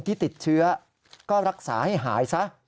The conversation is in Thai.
ที่ติดเชื้อก็รักษาให้หายซะ